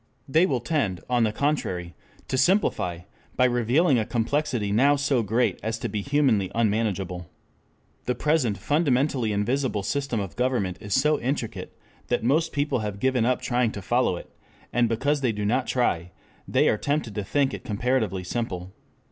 They will tend, on the contrary, to simplify, by revealing a complexity now so great as to be humanly unmanageable. The present fundamentally invisible system of government is so intricate that most people have given up trying to follow it, and because they do not try, they are tempted to think it comparatively simple.